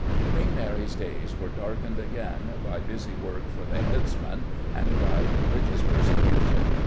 Queen Mary's days were darkened again by busy work for the headsman, and by religious persecution.